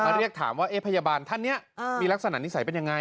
เรียกถามว่าพยาบาลท่านนี้มีลักษณะนิสัยเป็นยังไง